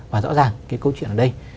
và rõ ràng cái câu chuyện ở đây